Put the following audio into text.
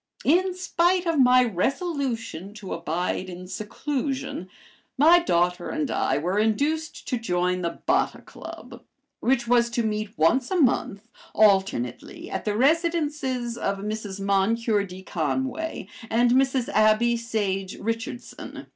In spite of my resolution to abide in seclusion, my daughter and I were induced to join the Botta Club, which was to meet once a month, alternately, at the residences of Mrs. Moncure D. Conway and Mrs. Abby Sage Richardson.